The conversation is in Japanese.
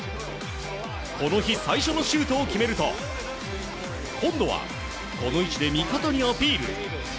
この日最初のシュートを決めると今度はこの位置で味方にアピール。